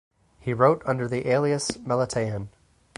He wrote under the alias Meletaon.